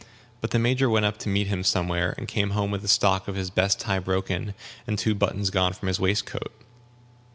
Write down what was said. But the Major went up to meet him somewhere, and came home with the stock of his best tie broken, and two buttons gone from his waistcoat.